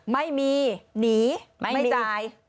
ไม่มีหนีไม่จ่าย